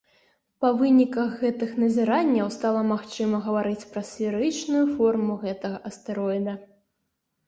Па выніках гэтых назіранняў стала магчыма гаварыць пра сферычную форму гэтага астэроіда.